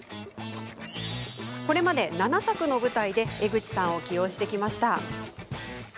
これまで７作の舞台で江口さんを起用してきました。